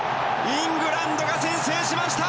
イングランドが先制しました！